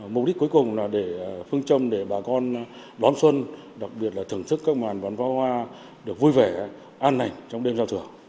mục đích cuối cùng là để phương châm để bà con đón xuân đặc biệt là thưởng thức các màn bắn pháo hoa được vui vẻ an hành trong đêm giao thừa